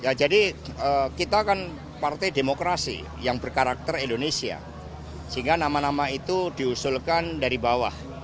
ya jadi kita kan partai demokrasi yang berkarakter indonesia sehingga nama nama itu diusulkan dari bawah